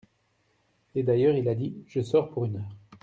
Et d’ailleurs, il a dit :« Je sors pour une heure.